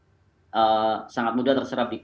karena sangat mudah terserap di sangat mudah terserap di anak